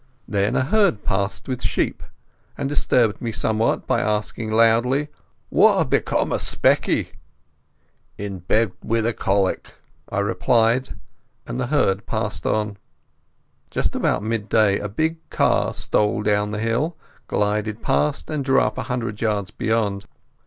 Then a herd passed with sheep, and disturbed me somewhat by asking loudly, "What had become o' Specky?" "In bed wi' the colic," I replied, and the herd passed on.... Just about midday a big car stole down the hill, glided past and drew up a hundred yards beyond.